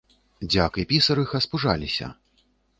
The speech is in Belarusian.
Дзяк і пісарыха спужаліся.